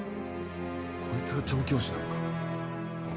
こいつが調教師なのか？